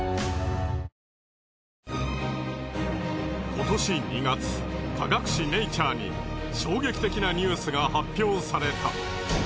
今年２月科学誌『ｎａｔｕｒｅ』に衝撃的なニュースが発表された。